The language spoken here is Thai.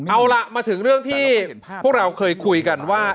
เอาล่ะมาถึงเรื่องที่พวกเราเคยคุยกันว่า